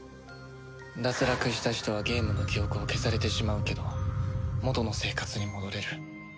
脱落した人はゲームの記憶を消されてしまうけど元の生活に戻れる。